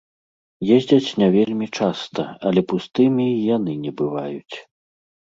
Ездзяць не вельмі часта, але пустымі і яны не бываюць.